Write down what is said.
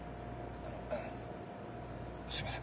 あのすいません。